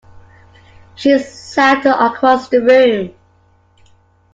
She sat across the room.